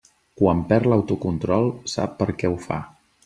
Quan perd l'autocontrol sap per què ho fa.